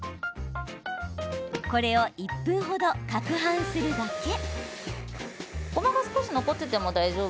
これを１分程かくはんするだけ。